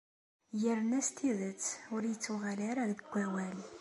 Yerna s tidet ur ittuɣal ara deg wawal.